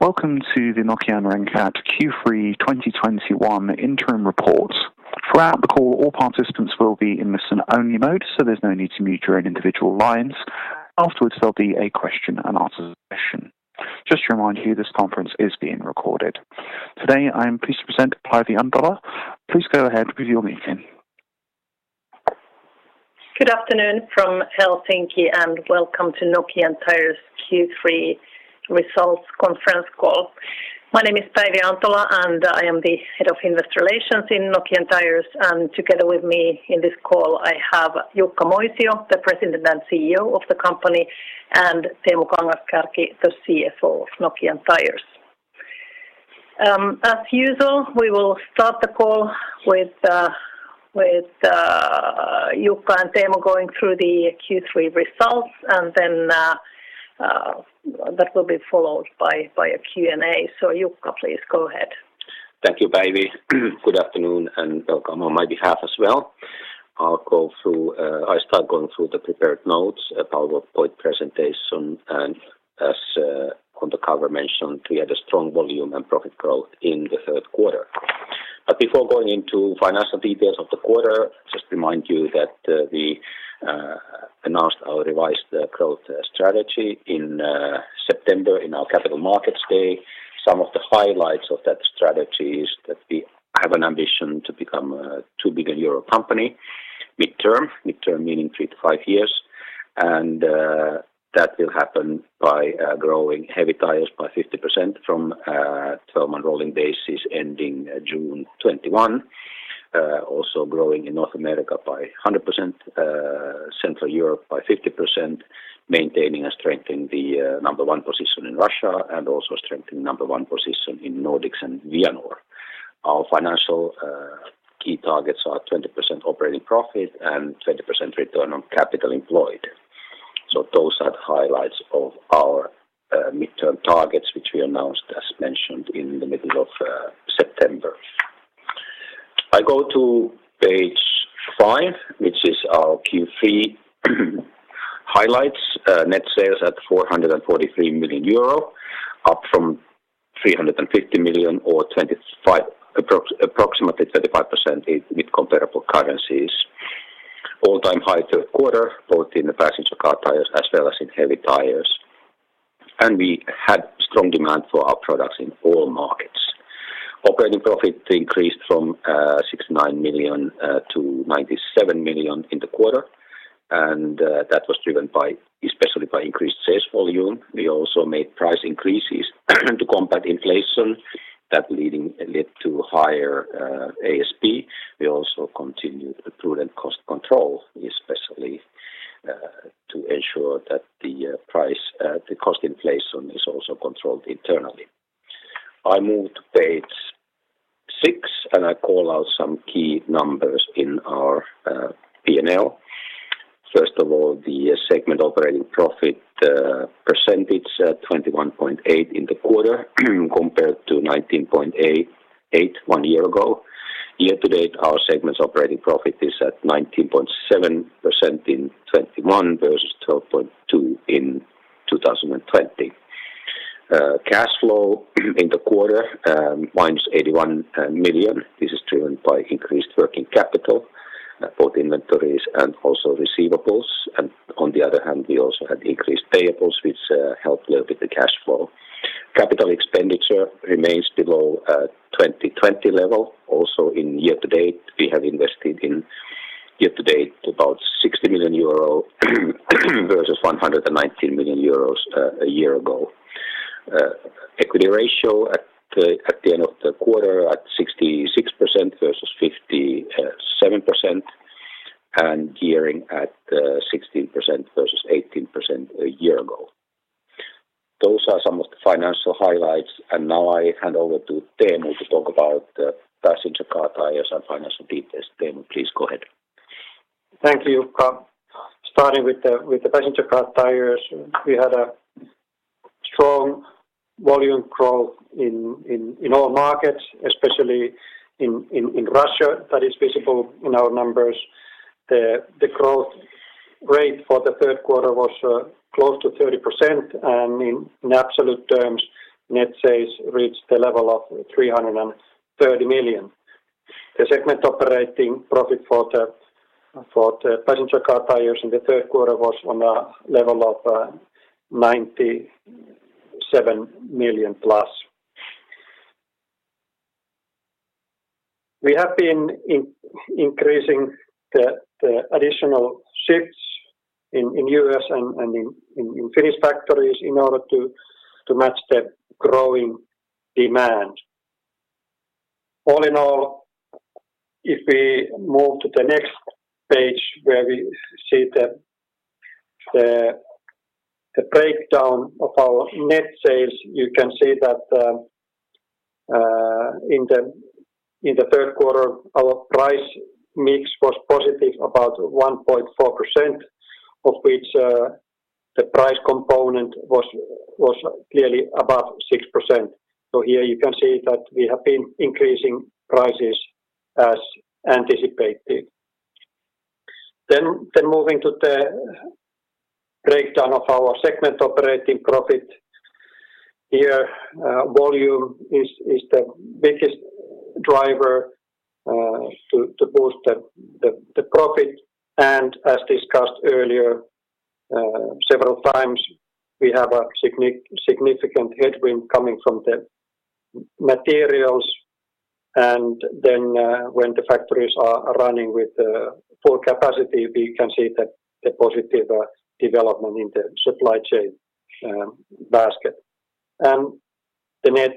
Welcome to the Nokian Renkaat Q3 2021 interim report. Throughout the call, all participants will be in listen-only mode, so there's no need to mute your own individual lines. Afterwards, there'll be a question and answer session. Just to remind you, this conference is being recorded. Today, I am pleased to present Päivi Antola. Please go ahead with your meeting. Good afternoon from Helsinki and welcome to Nokian Tyres Q3 results conference call. My name is Päivi Antola, and I am the head of investor relations in Nokian Tyres, and together with me in this call, I have Jukka Moisio, the President and CEO of the company, and Teemu Kangas-Kärki, the CFO of Nokian Tyres. As usual, we will start the call with Jukka and Teemu going through the Q3 results, and then that will be followed by a Q&A. Jukka, please go ahead. Thank you, Päivi. Good afternoon, and welcome on my behalf as well. I'll start going through the prepared notes, a PowerPoint presentation, and as on the cover mentioned, we had a strong volume and profit growth in the third quarter. Before going into financial details of the quarter, just remind you that we announced our revised growth strategy in September in our Capital Markets Day. Some of the highlights of that strategy is that we have an ambition to become a 2 billion euro company midterm meaning 3-5 years. That will happen by growing Heavy Tyres by 50% from 12-month rolling basis ending June 2021. Also growing in North America by 100%, Central Europe by 50%, maintaining and strengthening the number one position in Russia and also strengthening number one position in Nordics and Vianor. Our financial key targets are 20% operating profit and 20% return on capital employed. Those are the highlights of our midterm targets, which we announced, as mentioned, in the middle of September. I go to page 5, which is our Q3 highlights. Net sales at 443 million euro, up from 350 million, approximately 35% in comparable currencies. All-time high third quarter, both in the Passenger Car Tires as well as in Heavy Tires. We had strong demand for our products in all markets. Operating profit increased from 69 million to 97 million in the quarter, and that was driven by, especially by increased sales volume. We also made price increases to combat inflation that led to higher ASP. We also continued prudent cost control, especially to ensure that the cost inflation is also controlled internally. I move to page six, and I call out some key numbers in our P&L. First of all, the segment operating profit percentage 21.8% in the quarter compared to 19.8% one year ago. Year to date, our segment's operating profit is at 19.7% in 2021 versus 12.2% in 2020. Cash flow in the quarter minus 81 million. This is driven by increased working capital, both inventories and also receivables. On the other hand, we also had increased payables, which helped a little bit the cash flow. Capital expenditure remains below 2020 level. Also year to date, we have invested about 60 million euro versus 119 million euros a year ago. Equity ratio at the end of the quarter at 66% versus 57%, and gearing at 16% versus 18% a year ago. Those are some of the financial highlights, and now I hand over to Teemu to talk about the Passenger Car Tyres and financial details. Teemu, please go ahead. Thank you. Starting with the Passenger Car Tyres, we had a strong volume growth in all markets, especially in Russia, that is visible in our numbers. The growth rate for the third quarter was close to 30%, and in absolute terms, net sales reached the level of 330 million. The segment operating profit for the Passenger Car Tyres in the third quarter was on a level of EUR 97 million plus. We have been increasing the additional shifts in U.S. and in Finnish factories in order to match the growing demand. All in all, if we move to the next page where we see the breakdown of our net sales, you can see that in the third quarter, our price mix was positive about 1.4%, of which the price component was clearly above 6%. Here you can see that we have been increasing prices as anticipated. Moving to the breakdown of our segment operating profit. Here, volume is the biggest driver to boost the profit. As discussed earlier, several times, we have a significant headwind coming from the materials. When the factories are running with full capacity, we can see the positive development in the supply chain basket. The net,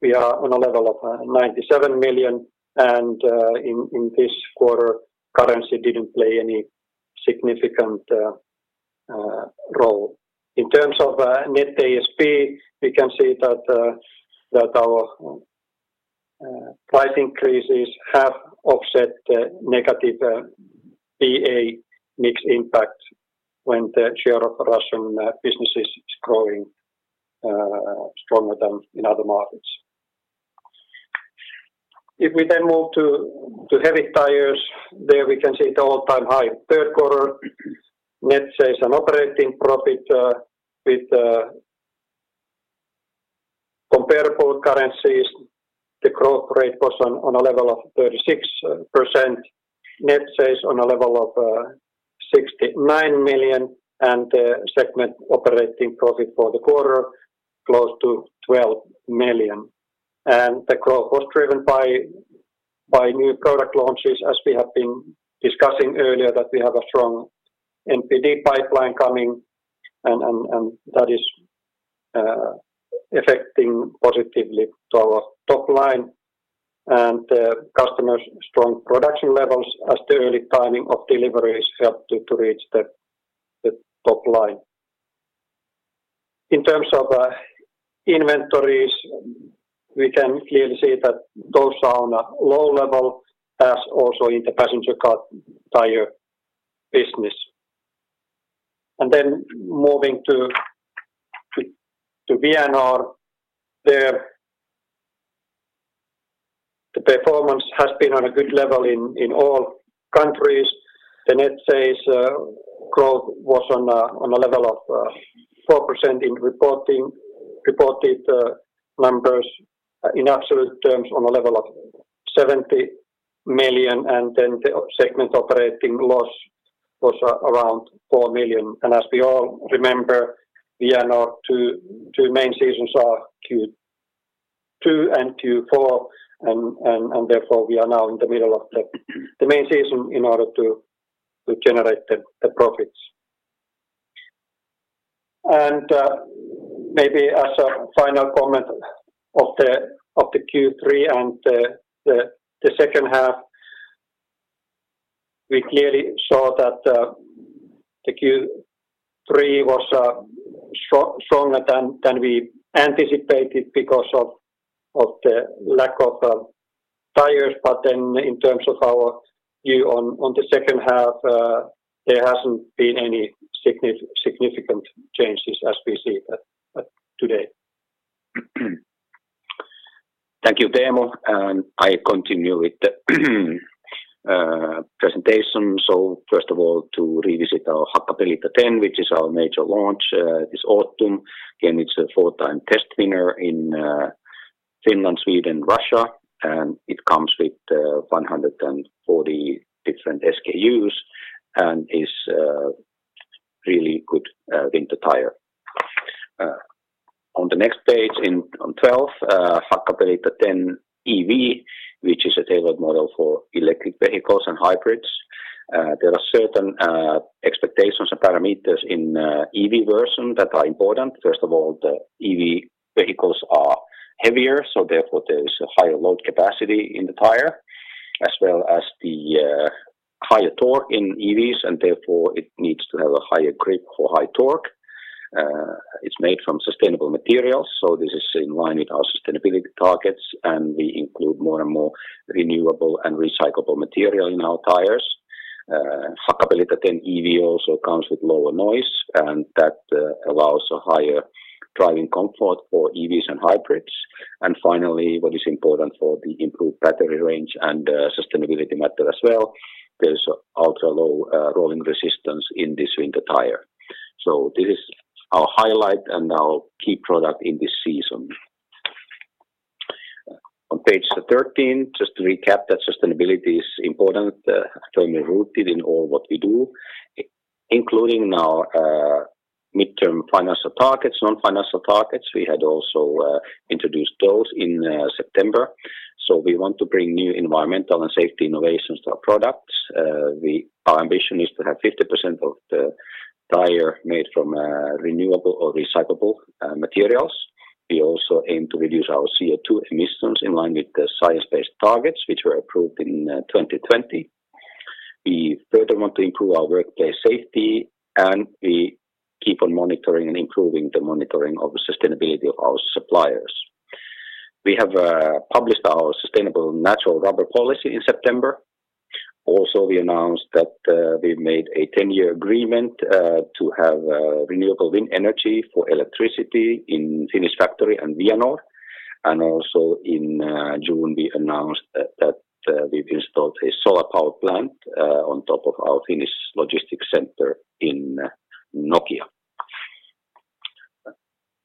we are on a level of 97 million, and in this quarter, currency didn't play any significant role. In terms of net ASP, we can see that our price increases have offset the negative BA mix impact when the share of Russian businesses is growing stronger than in other markets. If we then move to Heavy Tyres, there we can see the all-time high third quarter net sales and operating profit with comparable currencies. The growth rate was on a level of 36%, net sales on a level of 69 million, and the segment operating profit for the quarter close to 12 million. The growth was driven by new product launches, as we have been discussing earlier, that we have a strong NPD pipeline coming and that is affecting positively to our top line and the customers' strong production levels as the early timing of deliveries helped to reach the top line. In terms of inventories, we can clearly see that those are on a low level, as also in the Passenger Car Tyre business. Moving to Vianor, there the performance has been on a good level in all countries. The net sales growth was on a level of 4% in reported numbers in absolute terms on a level of 70 million, and then the segment operating loss was around 4 million. As we all remember, Vianor two main seasons are Q2 and Q4, and therefore we are now in the middle of the main season in order to generate the profits. Maybe as a final comment of the Q3 and the second half, we clearly saw that the Q3 was stronger than we anticipated because of the lack of tires. In terms of our view on the second half, there hasn't been any significant changes as we see that today. Thank you, Teemu, and I continue with the presentation. First of all, to revisit our Hakkapeliitta 10, which is our major launch this autumn. Again, it's a four-time test winner in Finland, Sweden, Russia, and it comes with 140 different SKUs and is really good winter tire. On the next page on twelve, Hakkapeliitta 10 EV, which is a tailored model for electric vehicles and hybrids. There are certain expectations and parameters in EV version that are important. First of all, the EV vehicles are heavier, so therefore, there is a higher load capacity in the tire, as well as the higher torque in EVs, and therefore it needs to have a higher grip for high torque. It's made from sustainable materials, so this is in line with our sustainability targets, and we include more and more renewable and recyclable material in our tires. Hakkapeliitta 10 EV also comes with lower noise, and that allows a higher driving comfort for EVs and hybrids. Finally, what is important for the improved battery range and sustainability matter as well, there's also low rolling resistance in this winter tire. This is our highlight and our key product in this season. On page 13, just to recap that sustainability is important, firmly rooted in all what we do, including our midterm financial targets, non-financial targets. We had also introduced those in September. We want to bring new environmental and safety innovations to our products. Our ambition is to have 50% of the tire made from renewable or recyclable materials. We also aim to reduce our CO2 emissions in line with the Science-Based Targets, which were approved in 2020. We further want to improve our workplace safety, and we keep on monitoring and improving the monitoring of the sustainability of our suppliers. We have published our Sustainable Natural Rubber Policy in September. Also, we announced that we've made a ten-year agreement to have renewable wind energy for electricity in Finnish factory and Vianor. Also in June, we announced that we've installed a solar power plant on top of our Finnish logistics center in Nokia.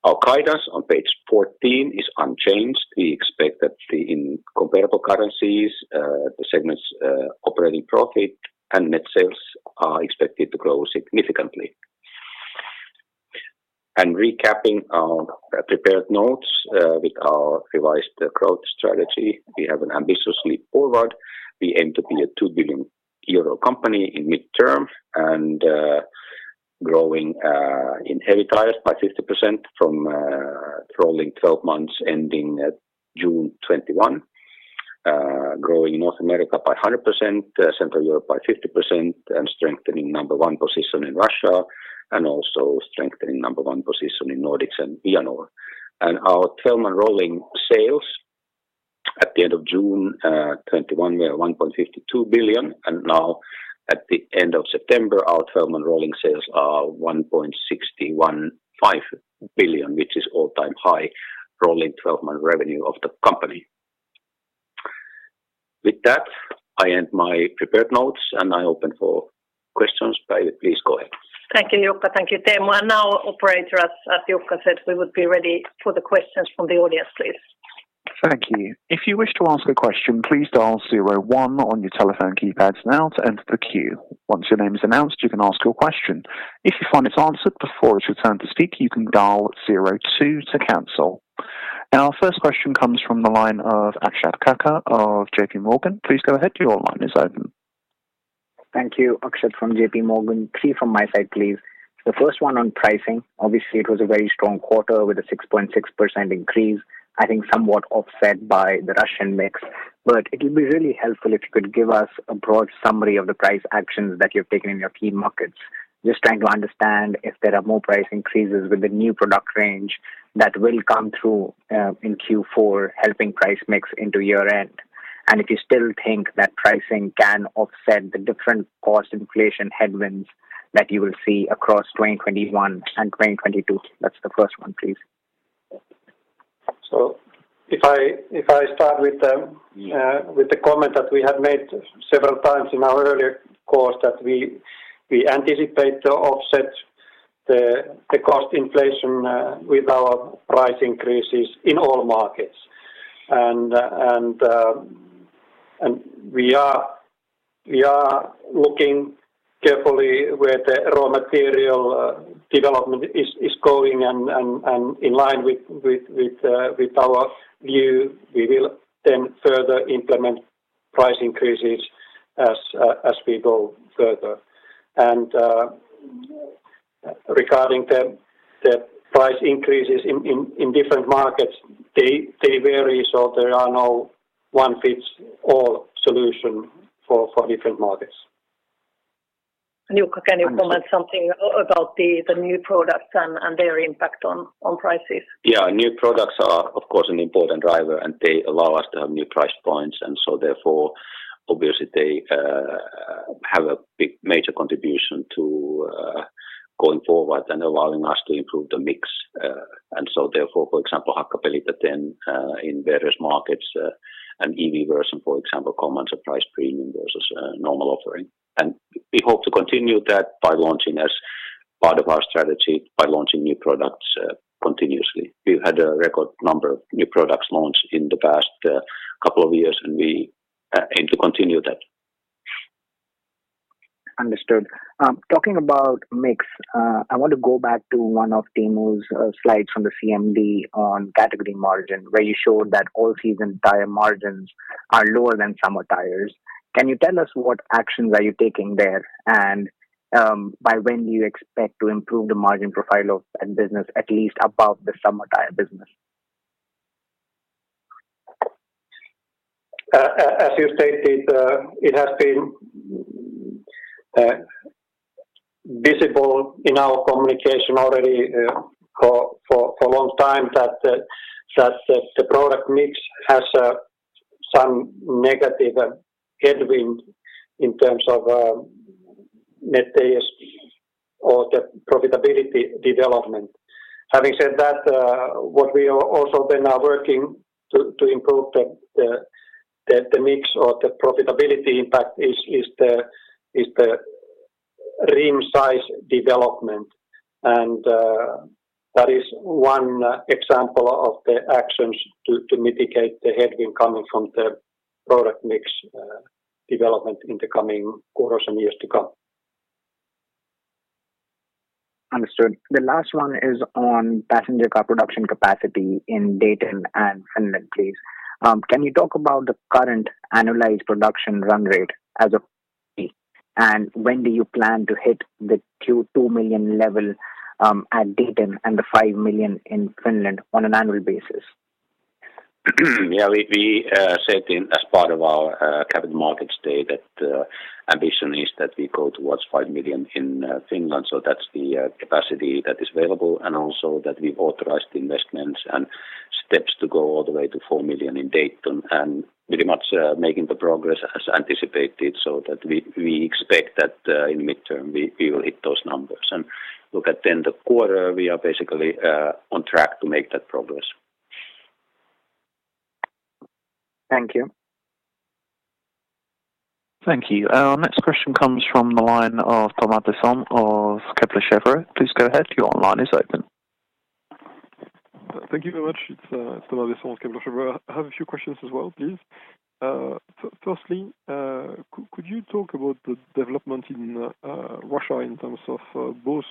Our guidance on page 14 is unchanged. We expect that in comparable currencies, the segment's operating profit and net sales are expected to grow significantly. Recapping our prepared notes, with our revised growth strategy, we have an ambitious leap forward. We aim to be a 2 billion euro company in midterm and growing in Heavy Tyres by 50% from rolling 12 months ending at June 2021. Growing North America by 100%, Central Europe by 50%, and strengthening number one position in Russia and also strengthening number one position in Nordics and Vianor. Our 12-month rolling sales at the end of June 2021, we are 1.52 billion, and now at the end of September, our 12-month rolling sales are 1.615 billion, which is all-time high rolling 12-month revenue of the company. With that, I end my prepared notes, and I open for questions. Päivi, please go ahead. Thank you, Jukka. Thank you, Teemu. Now, operator, as Jukka said, we would be ready for the questions from the audience, please. Thank you. If you wish to ask a question, please dial zero one on your telephone keypads now to enter the queue. Once your name is announced, you can ask your question. If you find it's answered before it's your turn to speak, you can dial zero two to cancel. Our first question comes from the line of Akshat Kacker of JPMorgan. Please go ahead. Your line is open. Thank you. Akshat Kacker from JPMorgan. Three from my side, please. The first one on pricing, obviously it was a very strong quarter with a 6.6% increase, I think somewhat offset by the Russian mix. It would be really helpful if you could give us a broad summary of the price actions that you've taken in your key markets. Just trying to understand if there are more price increases with the new product range that will come through in Q4, helping price mix into year-end. If you still think that pricing can offset the different cost inflation headwinds that you will see across 2021 and 2022. That's the first one, please. If I start with the comment that we have made several times in our earlier course that we anticipate to offset the cost inflation with our price increases in all markets. We are looking carefully where the raw material development is going and in line with our view, we will then further implement price increases as we go further. Regarding the price increases in different markets, they vary, so there are no one-size-fits-all solution for different markets. Jukka, can you comment something about the new products and their impact on prices? Yeah. New products are, of course, an important driver, and they allow us to have new price points and so therefore obviously they have a big major contribution to going forward and allowing us to improve the mix. For example, Hakkapeliitta then in various markets, an EV version, for example, commands a price premium versus a normal offering. We hope to continue that by launching new products as part of our strategy continuously. We've had a record number of new products launched in the past couple of years, and we aim to continue that. Understood. Talking about mix, I want to go back to one of Teemu's slides from the CMD on category margin, where you showed that all-season tire margins are lower than summer tires. Can you tell us what actions are you taking there and by when you expect to improve the margin profile of that business, at least above the summer tire business? As you stated, it has been visible in our communication already for a long time that the product mix has some negative headwind in terms of net ASP or the profitability development. Having said that, what we are also working to improve the mix or the profitability impact is the rim size development. That is one example of the actions to mitigate the headwind coming from the product mix development in the coming quarters and years to come. Understood. The last one is on passenger car production capacity in Dayton and Finland, please. Can you talk about the current annualized production run rate as of, and when do you plan to hit the 2 million level at Dayton and the 5 million in Finland on an annual basis? Yeah. We said, as part of our Capital Markets Day, that ambition is that we go towards 5 million in Finland. That's the capacity that is available and also that we've authorized investments and steps to go all the way to 4 million in Dayton and pretty much making the progress as anticipated so that we expect that in midterm we will hit those numbers. Looking at the quarter, we are basically on track to make that progress. Thank you. Thank you. Our next question comes from the line of Thomas Besson of Kepler Cheuvreux. Please go ahead. Your line is open. Thank you very much. It's Thomas Besson of Kepler Cheuvreux. I have a few questions as well, please. Firstly, could you talk about the development in Russia in terms of both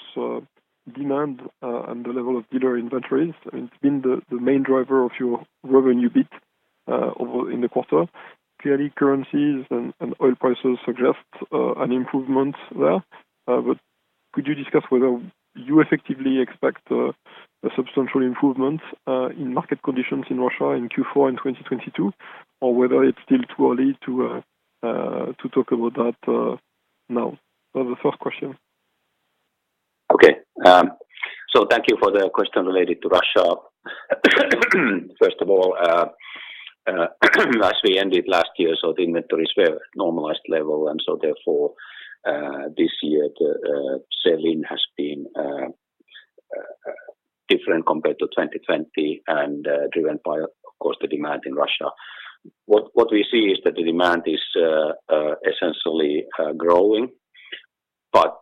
demand and the level of dealer inventories? I mean, it's been the main driver of your revenue bit over in the quarter. Clearly, currencies and oil prices suggest an improvement there. But could you discuss whether you effectively expect a substantial improvement in market conditions in Russia in Q4 in 2022, or whether it's still too early to talk about that now? That was the first question. Okay. Thank you for the question related to Russia. First of all, as we ended last year, the inventories were normalized level, and therefore this year the selling has been different compared to 2020 and driven by, of course, the demand in Russia. What we see is that the demand is essentially growing, but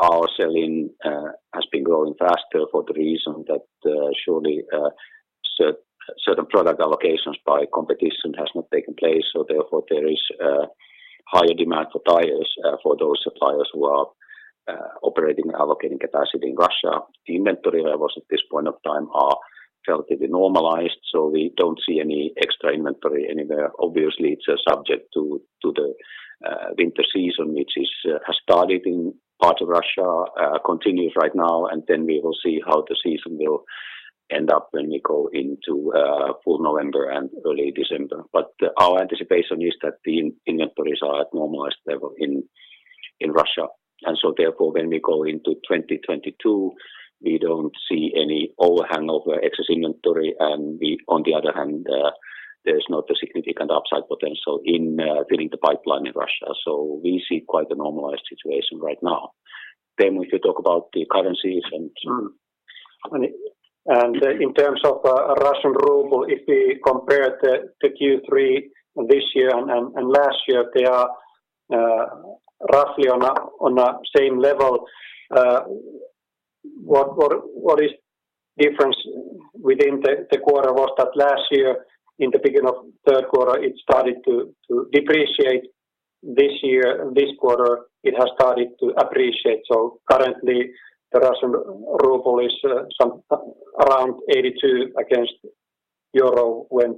our selling has been growing faster for the reason that surely certain product allocations by competition has not taken place, so therefore there is higher demand for tires for those suppliers who are operating and allocating capacity in Russia. Inventory levels at this point of time are relatively normalized, so we don't see any extra inventory anywhere. Obviously, it's subject to the winter season, which has started in part of Russia, continues right now, and we will see how the season will end up when we go into full November and early December. Our anticipation is that the inventories are at normalized level in Russia. Therefore, when we go into 2022, we don't see any overhang or excess inventory, and on the other hand, there's not a significant upside potential in filling the pipeline in Russia. We see quite a normalized situation right now. If you talk about the currencies and In terms of Russian ruble, if we compare the Q3 this year and last year, they are roughly on the same level. The difference within the quarter was that last year in the beginning of third quarter, it started to depreciate. This year, this quarter, it has started to appreciate. Currently, the Russian ruble is around 82 against the euro, whereas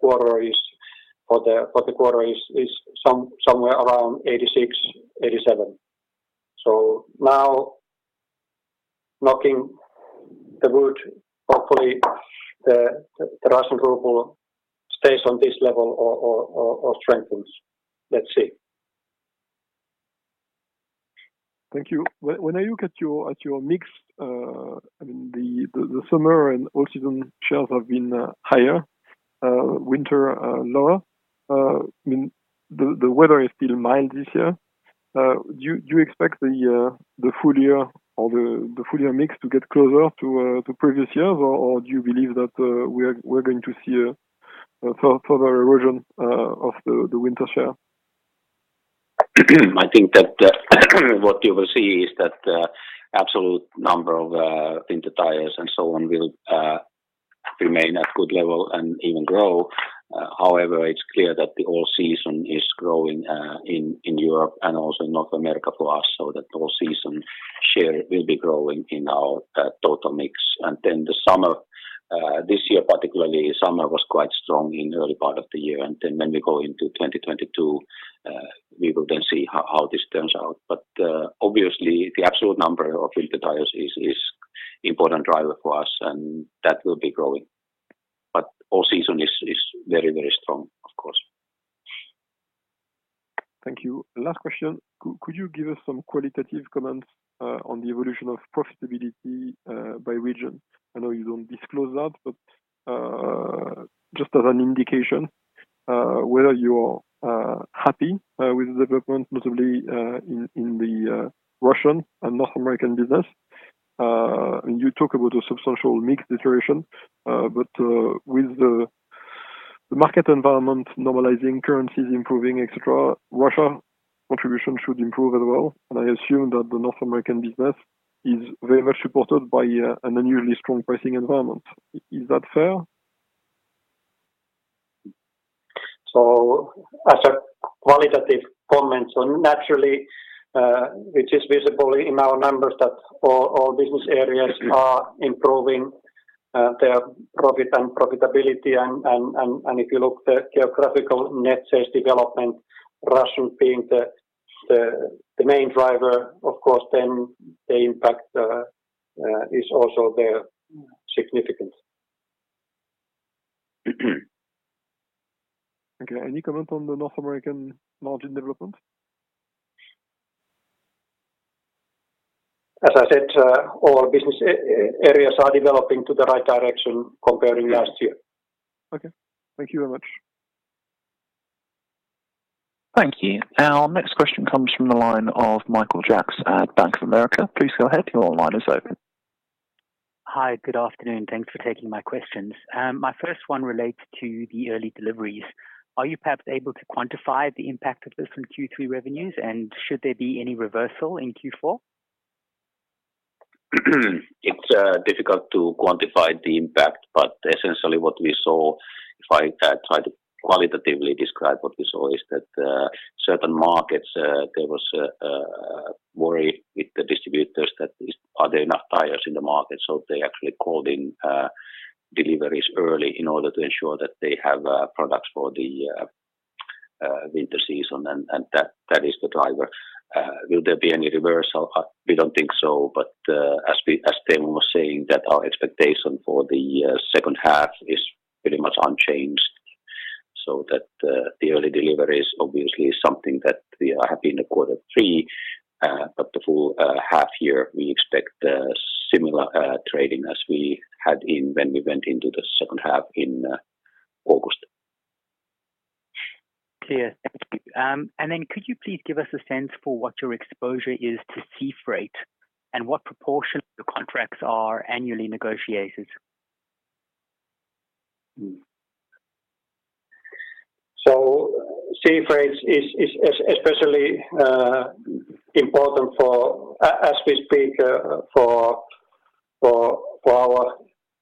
for the quarter it is somewhere around 86-87. Now knock on wood, hopefully the Russian ruble stays on this level or strengthens. Let's see. Thank you. When I look at your mix, I mean, the summer and autumn shares have been higher, winter lower. I mean, the weather is still mild this year. Do you expect the full year mix to get closer to previous years, or do you believe that we're going to see a further erosion of the winter share? I think that what you will see is that absolute number of winter tires and so on will remain at good level and even grow. However, it's clear that the all-season is growing in Europe and also North America for us, so that all-season share will be growing in our total mix. Then the summer this year particularly, summer was quite strong in early part of the year. Then when we go into 2022, we will then see how this turns out. Obviously the absolute number of winter tires is important driver for us, and that will be growing. All season is very, very strong, of course. Thank you. Last question. Could you give us some qualitative comments on the evolution of profitability by region? I know you don't disclose that, but just as an indication, whether you're happy with the development notably in the Russian and North American business. You talk about a substantial mix deterioration, but with the market environment normalizing, currencies improving, et cetera, Russia contribution should improve as well. I assume that the North American business is very much supported by an unusually strong pricing environment. Is that fair? As a qualitative comment, so naturally, which is visible in our numbers that all business areas are improving, their profit and profitability. If you look the geographical net sales development, Russian being the main driver, of course then the impact is also there, significant. Okay. Any comment on the North American margin development? As I said, all business areas are developing to the right direction comparing last year. Okay. Thank you very much. Thank you. Our next question comes from the line of Michael Jacks at Bank of America. Please go ahead, your line is open. Hi, good afternoon. Thanks for taking my questions. My first one relates to the early deliveries. Are you perhaps able to quantify the impact of this in Q3 revenues, and should there be any reversal in Q4? It's difficult to quantify the impact, but essentially what we saw, if I try to qualitatively describe what we saw is that certain markets, there was a worry with the distributors that, are there enough tires in the market? They actually called in deliveries early in order to ensure that they have products for the winter season and that is the driver. Will there be any reversal? We don't think so. As Teemu was saying that our expectation for the second half is pretty much unchanged, so that the early deliveries obviously is something that we have in the quarter three, but the full half year we expect similar trading as we had in when we went into the second half in August. Clear. Thank you. Could you please give us a sense for what your exposure is to sea freight and what proportion of your contracts are annually negotiated? Sea freight is especially important, as we speak, for our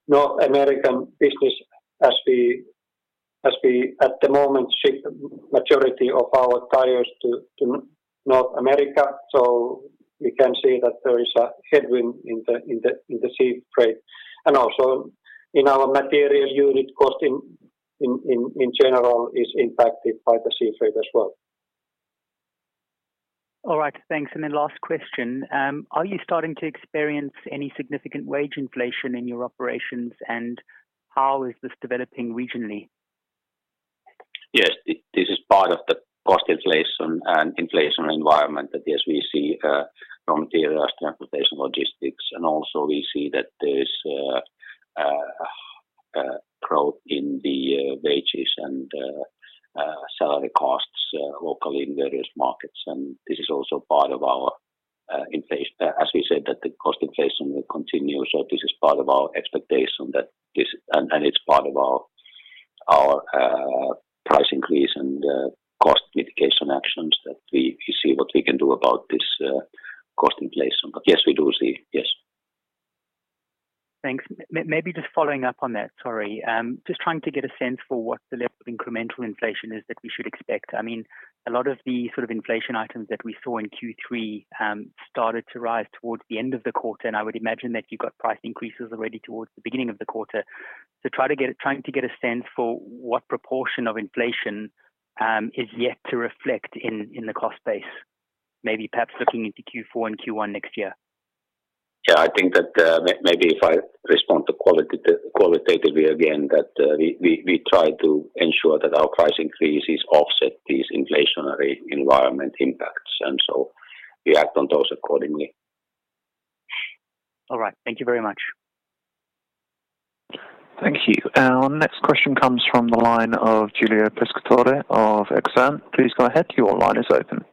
North American business as we at the moment ship majority of our tires to North America, so we can see that there is a headwind in the sea freight. Also in our material unit cost in general is impacted by the sea freight as well. All right. Thanks. Last question. Are you starting to experience any significant wage inflation in your operations, and how is this developing regionally? Yes. This is part of the cost inflation and inflationary environment that we see from materials, transportation, logistics, and also we see that there's growth in the wages and salary costs locally in various markets. This is also part of our inflation as we said that the cost inflation will continue. This is part of our expectation that this and it's part of our price increase and cost mitigation actions that we see what we can do about this cost inflation. Yes, we do see. Yes. Thanks. Maybe just following up on that. Sorry. Just trying to get a sense for what the level of incremental inflation is that we should expect. I mean, a lot of the sort of inflation items that we saw in Q3 started to rise towards the end of the quarter, and I would imagine that you got price increases already towards the beginning of the quarter. Trying to get a sense for what proportion of inflation is yet to reflect in the cost base, maybe perhaps looking into Q4 and Q1 next year. Yeah. I think that, maybe if I respond qualitatively again, that we try to ensure that our price increase is offset these inflationary environment impacts, and so we act on those accordingly. All right. Thank you very much. Thank you. Our next question comes from the line of Giulio Pescatore of Exane. Please go ahead, your line is open.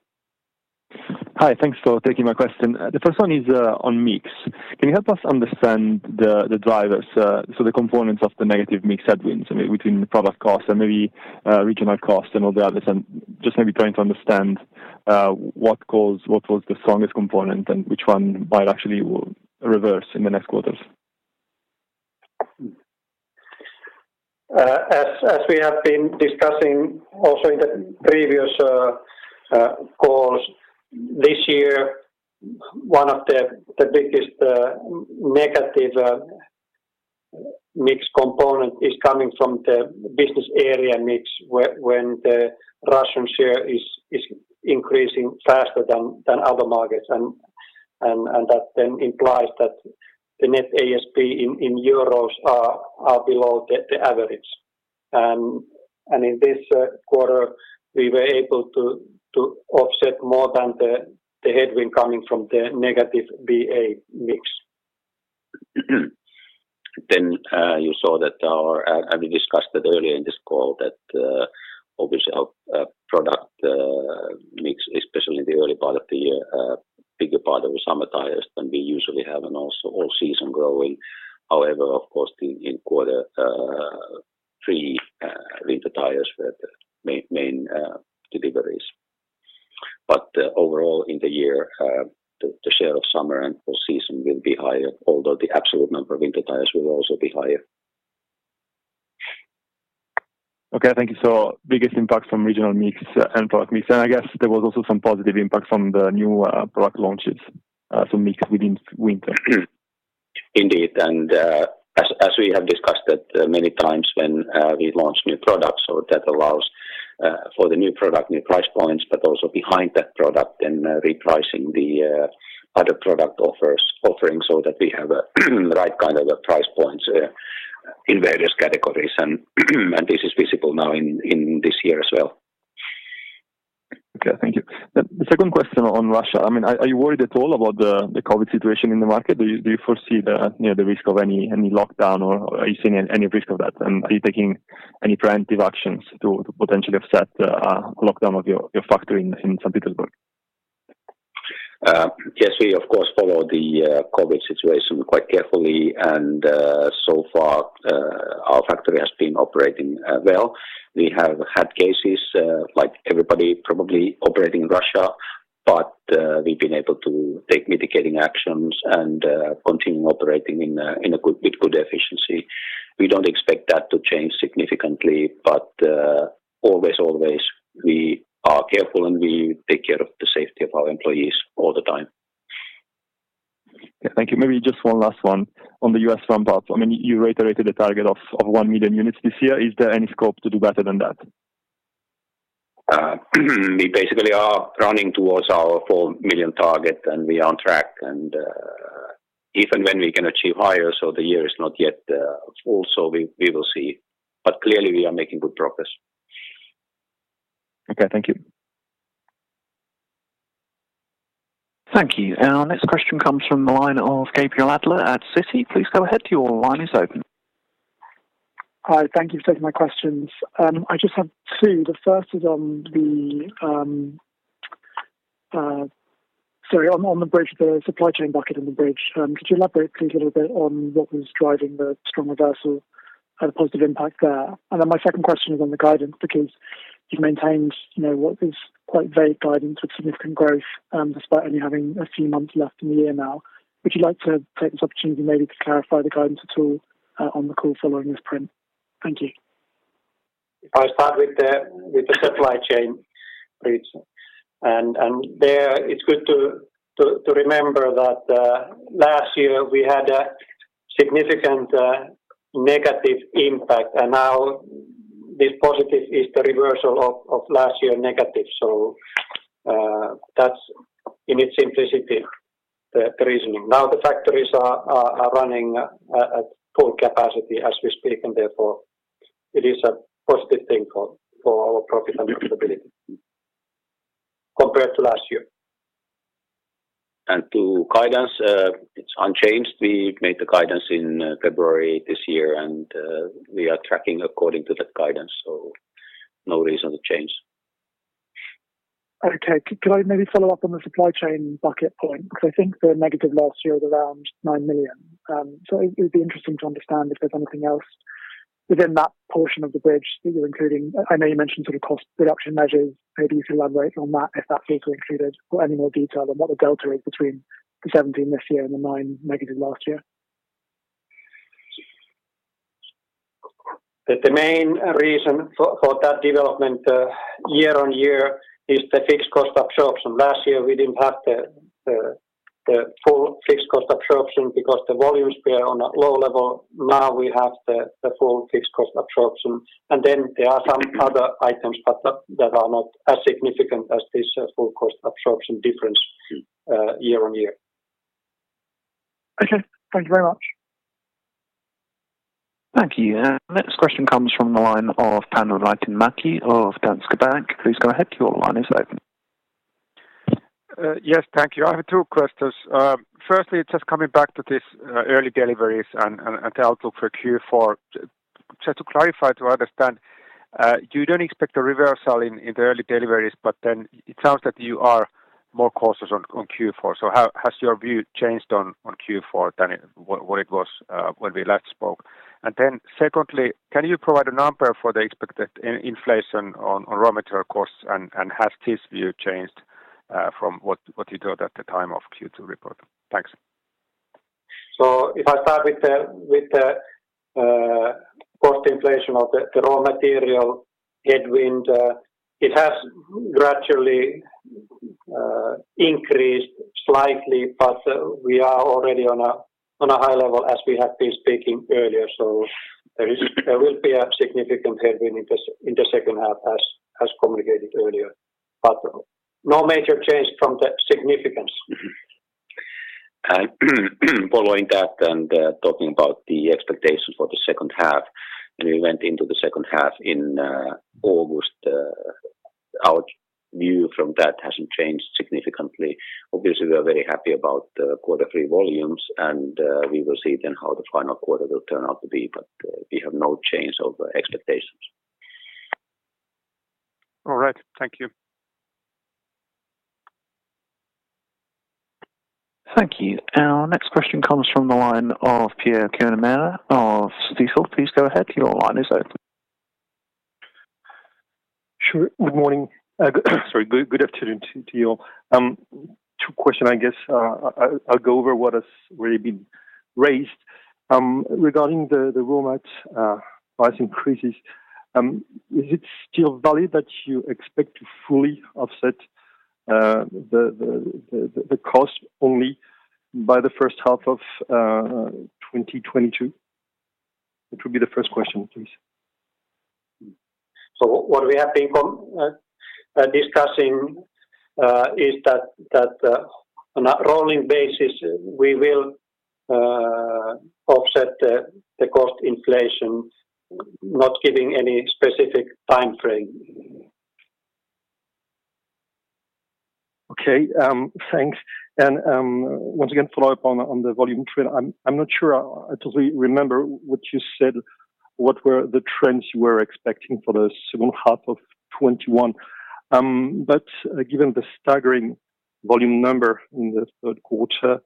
Hi. Thanks for taking my question. The first one is on mix. Can you help us understand the drivers, so the components of the negative mix headwinds, I mean, between product costs and maybe regional costs and all the others, and just maybe trying to understand what was the strongest component and which one might actually will reverse in the next quarters? As we have been discussing also in the previous calls, this year one of the biggest negative mix component is coming from the business area mix, when the Russian share is increasing faster than other markets. That then implies that the net ASP in euros are below the average. In this quarter, we were able to offset more than the headwind coming from the negative BA mix. You saw that and we discussed it earlier in this call that obviously our product mix, especially in the early part of the year, bigger part of the summer tires than we usually have and also all season growing. However, of course in quarter three, winter tires were the main deliveries. Overall in the year, the share of summer and all season will be higher, although the absolute number of winter tires will also be higher. Okay. Thank you. Biggest impact from regional mix and product mix, and I guess there was also some positive impact from the new product launches for mix within winter. Indeed. As we have discussed that many times when we launch new products so that allows for the new product, new price points, but also behind that product and repricing the other product offerings so that we have a right kind of a price points in various categories. This is visible now in this year as well. Okay. Thank you. The second question on Russia, I mean, are you worried at all about the COVID situation in the market? Do you foresee, you know, the risk of any lockdown or are you seeing any risk of that? Are you taking any preventive actions to potentially offset the lockdown of your factory in St. Petersburg? Yes, we of course follow the COVID situation quite carefully, and so far our factory has been operating well. We have had cases like everybody probably operating in Russia, but we've been able to take mitigating actions and continue operating with good efficiency. We don't expect that to change significantly. Always we are careful, and we take care of the safety of our employees all the time. Thank you. Maybe just one last one on the U.S. front part. I mean, you reiterated the target of 1 million units this year. Is there any scope to do better than that? We basically are running towards our 4 million target, and we are on track. If and when we can achieve higher, so the year is not yet, also we will see. Clearly we are making good progress. Okay, thank you. Thank you. Our next question comes from the line of Gabriel Adler at Citi. Please go ahead, your line is open. Hi, thank you for taking my questions. I just have two. The first is on the bridge, the supply chain bucket. Could you elaborate please a little bit on what was driving the strong reversal and the positive impact there? My second question is on the guidance, because you've maintained, you know, what is quite vague guidance with significant growth, despite only having a few months left in the year now. Would you like to take this opportunity maybe to clarify the guidance at all, on the call following this print? Thank you. If I start with the supply chain please. There it's good to remember that last year we had a significant negative impact. Now this positive is the reversal of last year negative. That's in its simplicity the reasoning. Now, the factories are running at full capacity as we speak, and therefore it is a positive thing for our profit and flexibility compared to last year. To guidance, it's unchanged. We made the guidance in February this year, and we are tracking according to that guidance, so no reason to change. Okay. Could I maybe follow up on the supply chain bucket point? Because I think the negative last year was around 9 million. So it would be interesting to understand if there's anything else within that portion of the bridge that you're including. I know you mentioned sort of cost reduction measures. Maybe you can elaborate on that if that's included or any more detail on what the delta is between the 17 million this year and the 9 million negative last year. The main reason for that development year-on-year is the fixed cost absorption. Last year we didn't have the full fixed cost absorption because the volumes were on a low level. Now we have the full fixed cost absorption. There are some other items, but that are not as significant as this full cost absorption difference year-on-year. Okay. Thank you very much. Thank you. Next question comes from the line of Tanu Rantamäki of Danske Bank. Please go ahead, your line is open. Yes, thank you. I have two questions. First, just coming back to this, early deliveries and outlook for Q4. Just to clarify to understand, you don't expect a reversal in the early deliveries, but then it sounds that you are more cautious on Q4. How has your view changed on Q4 than what it was when we last spoke? Second, can you provide a number for the expected inflation on raw material costs? Has this view changed from what you thought at the time of Q2 report? Thanks. If I start with the cost inflation of the raw material headwind, it has gradually increased slightly, but we are already on a high level as we have been speaking earlier. There will be a significant headwind in the second half as communicated earlier, but no major change from the significance. Following that and, talking about the expectations for the second half, and we went into the second half in, August. Our view from that hasn't changed significantly. Obviously, we are very happy about the quarter three volumes and, we will see then how the final quarter will turn out to be. We have no change of expectations. All right. Thank you. Thank you. Our next question comes from the line of Pierre-Yves Quéméner of Stifel. Please go ahead, your line is open. Sure. Good morning. Sorry. Good afternoon to you. Two questions I guess. I'll go over what has already been raised. Regarding the raw material price increases, is it still valid that you expect to fully offset the cost only by the first half of 2022? Which will be the first question, please. What we have been discussing is that on a rolling basis, we will offset the cost inflation, not giving any specific timeframe. Okay. Thanks. Once again, follow up on the volume trend. I'm not sure I totally remember what you said. What were the trends you were expecting for the second half of 2021? Given the staggering volume number in the third quarter,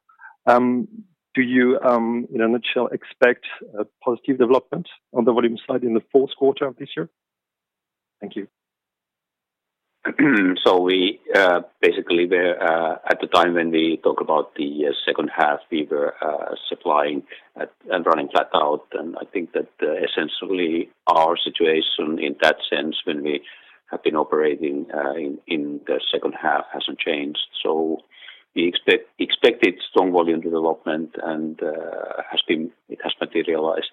do you, in a nutshell, expect a positive development on the volume side in the fourth quarter of this year? Thank you. We basically were at the time when we talk about the second half, we were supplying and running flat out. I think that essentially our situation in that sense, when we have been operating in the second half, hasn't changed. We expected strong volume development and it has materialized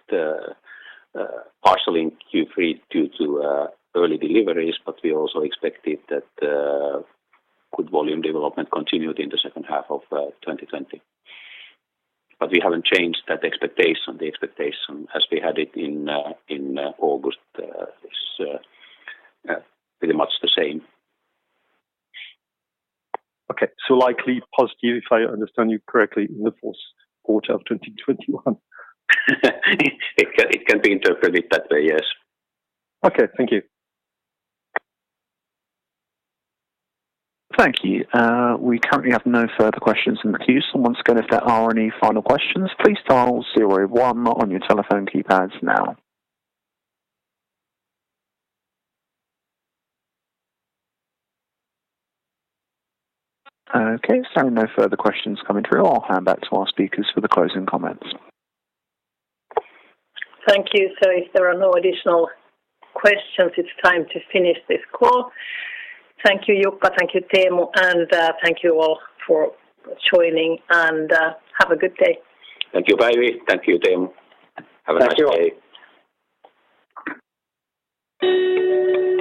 partially in Q3 due to early deliveries. We also expected that good volume development continued in the second half of 2020. We haven't changed that expectation. The expectation as we had it in August is pretty much the same. Okay. Likely positive, if I understand you correctly, in the fourth quarter of 2021. It can be interpreted that way, yes. Okay. Thank you. Thank you. We currently have no further questions in the queue. Once again, if there are any final questions, please dial zero one on your telephone keypads now. Okay. No further questions coming through. I'll hand back to our speakers for the closing comments. Thank you. If there are no additional questions, it's time to finish this call. Thank you, Jukka. Thank you, Teemu. Thank you all for joining, and have a good day. Thank you, Päivi. Thank you, Teemu. Have a nice day. Thank you all.